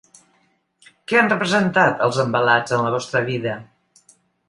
Que han representat els envelats en la vostra vida?